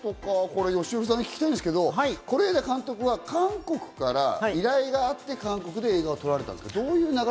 これ、よしひろさんに聞きたいんですけど、是枝監督は韓国から依頼があって、韓国で映画を撮られたんですか？